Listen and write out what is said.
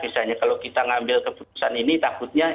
misalnya kalau kita ngambil keputusan ini takutnya